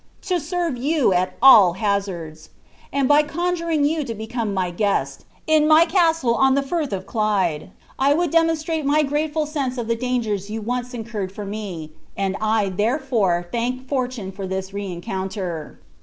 To serve you at all hazards! And by conjuring you to become my guest, in my castle on the Frith of Clyde, I would demonstrate my grateful sense of the dangers you once incurred for me, and I therefore thank fortune for this rencounter."